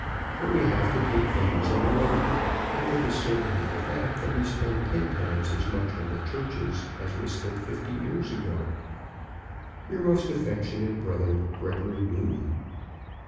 But we have to take things in a lump, and it is certainly the fact that we spend ten times as much on the churches as was spent fifty years ago. Your most affectionate brother, GREGORY NEWTON.